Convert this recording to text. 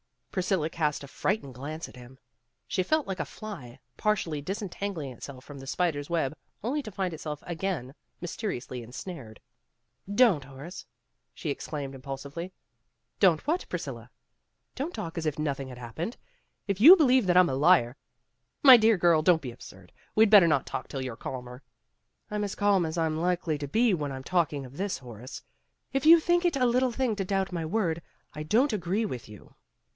Priscilla cast a frightened glance at him. She felt like a fly, partially dis entangling itself from the spider's web, only to find itself again mysteriously ensnared. "Don't, Horace," she exclaimed impulsively. "Don't what, Priscilla ?" "Don't talk as if nothing had happened. If you believe that I'm a liar " "My dear girl, don't be absurd. We'd bet ter not talk till you're calmer." "I'm as calm as I'm likely to be when I'm talking of this, Horace. If you think it a little thing to doubt my word, I don't agree with you."